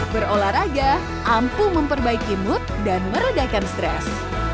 berolahraga ampuh memperbaiki mood dan meredakan stres